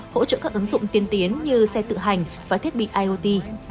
hỗ trợ các ứng dụng tiên tiến như xe tự hành và thiết bị iot